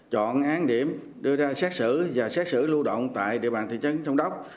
chọn án điểm đưa ra xét xử và xét xử lưu động tại địa bàn thị trấn châu đốc